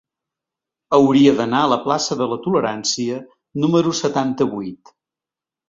Hauria d'anar a la plaça de la Tolerància número setanta-vuit.